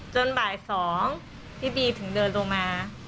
บ่าย๒พี่บีถึงเดินลงมา